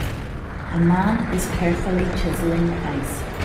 A man is carefully chiseling ice